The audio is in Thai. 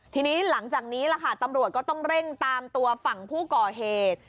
ทีนี้หลังจากนี้ล่ะค่ะตำรวจก็ต้องเร่งตามตัวฝั่งผู้ก่อเหตุ